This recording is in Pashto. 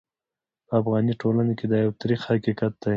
په افغاني ټولنه کې دا یو ترخ حقیقت دی.